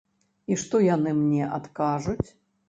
І што яны мне адкажуць?